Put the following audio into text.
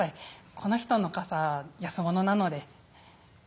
この人の傘安物なので！